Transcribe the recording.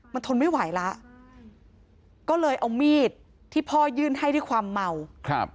มันทนไม่ไหวแล้วก็เลยเอามีดที่พ่อยื่นให้ด้วยความเมาครับ